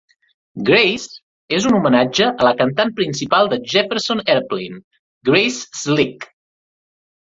"Grace" és un homenatge a la cantant principal de Jefferson Airplane, Grace Slick.